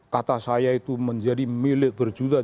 kata saya itu menjadi milik berjuta